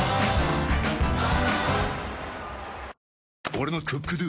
俺の「ＣｏｏｋＤｏ」！